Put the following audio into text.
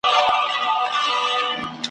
وایي؛ یوه ورځ مې خط ور ولېږۀ